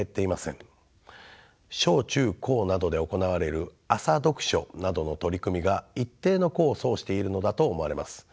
小中高などで行われる朝読書などの取り組みが一定の功を奏しているのだと思われます。